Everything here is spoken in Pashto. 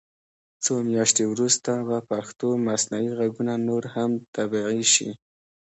څو میاشتې وروسته به پښتو مصنوعي غږونه نور هم طبعي شي.